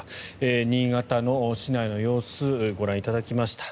新潟市内の様子をご覧いただきました。